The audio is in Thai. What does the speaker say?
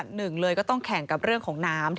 หนึ่งเลยก็ต้องแข่งกับเรื่องของน้ำ